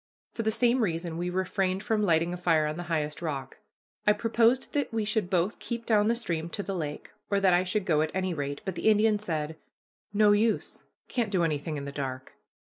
For the same reason we refrained from lighting a fire on the highest rock. I proposed that we should both keep down the stream to the lake, or that I should go at any rate, but the Indian said: "No use, can't do anything in the dark.